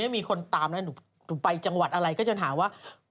มีคนตามนะหนูไปจังหวัดอะไรก็จะถามว่า